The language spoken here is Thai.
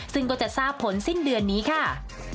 ซึ่งก็จะทราบผลสิ้นเดือนนี้ค่ะ